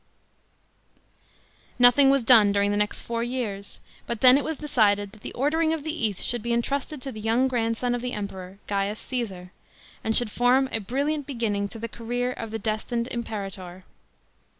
121 Nothing was done during the next four years : but then it was decided that the ordering of the East should be entrusted to the young grandson of the Emperor, Gaius Caesar, and should form a brilliant beginning to the career of the destined Imperator.